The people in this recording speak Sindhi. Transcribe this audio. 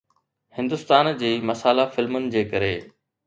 هندستان جي مسالا فلمن جي ڪري